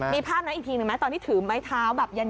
มีภาพนั้นอีกทีหนึ่งไหมตอนที่ถือไม้เท้าแบบเย็น